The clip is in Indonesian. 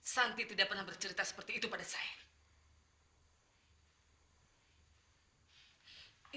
santi tidak pernah bercerita seperti itu pada saya